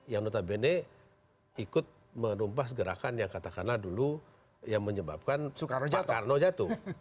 yang notabene ikut menumpas gerakan yang katakanlah dulu yang menyebabkan pak karno jatuh